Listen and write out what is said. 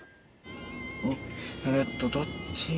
えっとどっち？